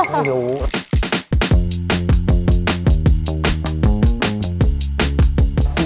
ไม่รู้อะ